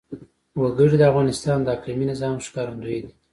وګړي د افغانستان د اقلیمي نظام ښکارندوی ده.